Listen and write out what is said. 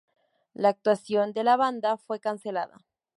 La actuación de la banda fue cancelada.